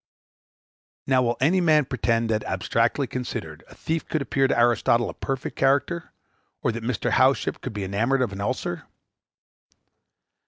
Now will any man pretend, that, abstractedly considered, a thief could appear to Aristotle a perfect character, or that Mr. Howship could be enamored of an ulcer?